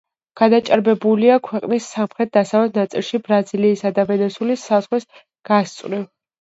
გადაჭიმულია ქვეყნის სამხრეთ-დასავლეთ ნაწილში, ბრაზილიისა და ვენესუელის საზღვრის გასწვრივ.